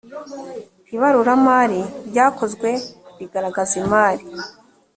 ibaruramari ryakozwe rigaragaza imari .